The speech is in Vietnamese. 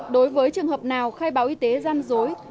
đối với trường hợp nào khai báo y tế gian dối